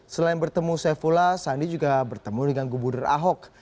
selain bertemu saifullah sandi juga bertemu dengan gubernur ahok